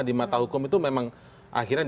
di mata hukum itu memang akhirnya